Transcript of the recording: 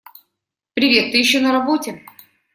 Привет! Ты ещё на работе?